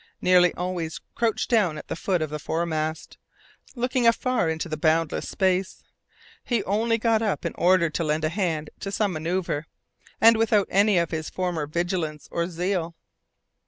Nearly always crouched down at the foot of the fore mast, looking afar into the boundless space, he only got up in order to lend a hand to some manoeuvre, and without any of his former vigilance or zeal.